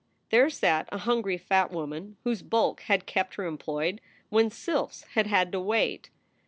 There sat a hungry fat woman whose bulk had kept her employed when sylphs had had to wait.